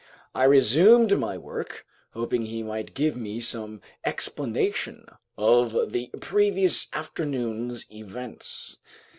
I resumed my work, hoping he might give me some explanation of the previous afternoon's events.